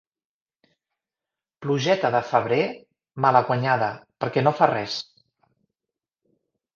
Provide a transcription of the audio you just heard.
Plugeta de febrer, malaguanyada, perquè no fa res.